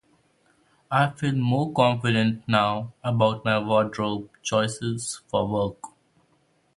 I feel more confident now about my wardrobe choices for work.